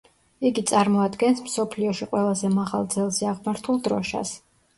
იგი წარმოადგენს მსოფლიოში ყველაზე მაღალ ძელზე აღმართულ დროშას.